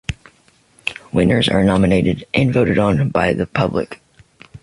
Winners are nominated and voted on by the public.